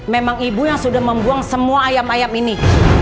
memang ibu yang sudah membuang semua ayam ayam ini